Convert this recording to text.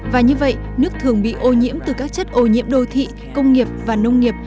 và như vậy nước thường bị ô nhiễm từ các chất ô nhiễm đô thị công nghiệp và nông nghiệp